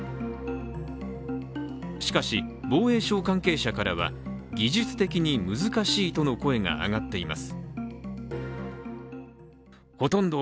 しかし、防衛省関係者からは技術的に難しいとの声が上がっています。